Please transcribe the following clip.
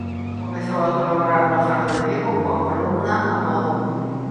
Comezou a colaborar no "Faro de Vigo" coa columna "Amodo".